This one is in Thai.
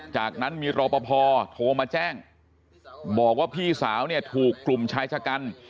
จากนั้นมีรอปภโทรมาแจ้งบอกว่าพี่สาวเนี่ยถูกกลุ่มชายชะกัน